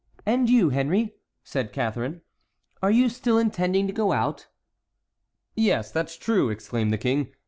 "And you, Henry," said Catharine, "are you still intending to go out?" "Yes, that's true," exclaimed the king.